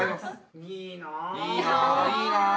いいな。